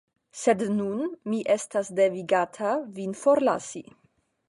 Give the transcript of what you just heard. Sed nun mi estas devigata vin forlasi.